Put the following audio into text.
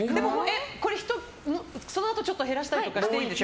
そのあとちょっと減らしたりしていいんでしょ？